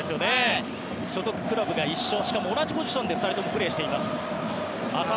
所属クラブが一緒しかも同じポジションで２人ともプレーしています。